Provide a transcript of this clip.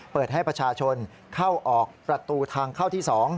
เปิดให้ประชาชนเข้าออกประตูทางเข้าที่๒